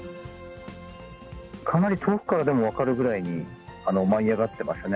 かなり遠くからでも分かるぐらいに舞い上がってましたね。